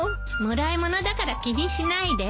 もらい物だから気にしないで。